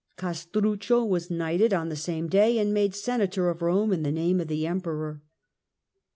Castruccio was knighted on the same day and made Senator of Eome in the name of the Emperor.